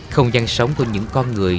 không gian sống của những con người